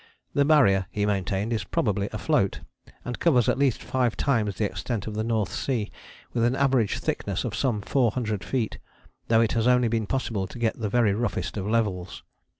The Barrier, he maintained, is probably afloat, and covers at least five times the extent of the North Sea with an average thickness of some 400 feet, though it has only been possible to get the very roughest of levels.